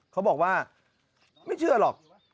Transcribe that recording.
เขาบอกว่าไม่เชื่อหรอก